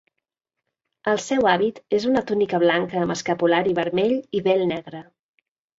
El seu hàbit és una túnica blanca amb escapulari vermell i vel negre.